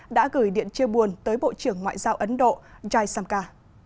đã gửi điện chia buồn tới bộ trưởng ngoại giao ấn độ jai samka